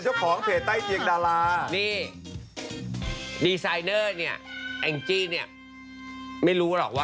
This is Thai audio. โอ้ช่างทำผมก็ต้องรู้อยู่แล้วดิคุณแม่